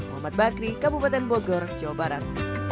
muhammad bakri kabupaten bogor jawa barat